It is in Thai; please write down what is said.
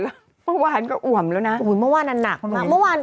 เมื่อวานก็อ่วมแล้วนะเมื่อวานนั้นหนักมากเมื่อวาน